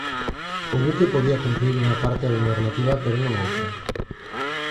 O buque podía cumprir unha parte da normativa pero non outra.